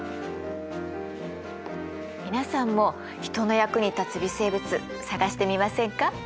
皆さんも人の役に立つ微生物探してみませんか？